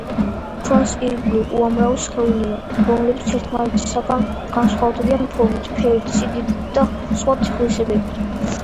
ჩვენს ირგვლივ უამრავი სხეულია, რომლებიც ერთმანეთისაგან განსხვავდებიან ფორმით, ფერით, სიდიდით და სხვა თვისებებით.